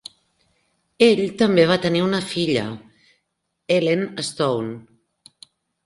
Ell també va tenir una filla, Ellen Stone.